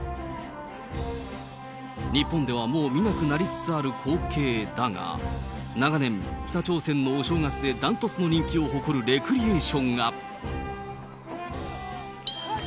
日本ではもう見なくなりつつある光景だが、長年、北朝鮮のお正月で断トツの人気を誇るレクリエーションが。